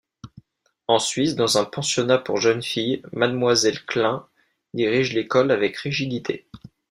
En Suisse, dans un pensionnat pour jeunes filles, mademoiselle Klein dirige l'école avec rigidité.